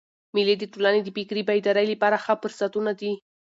مېلې د ټولني د فکري بیدارۍ له پاره ښه فرصتونه دي.